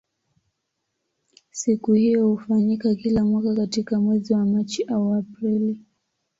Siku hiyo hufanyika kila mwaka katika mwezi wa Machi au Aprili.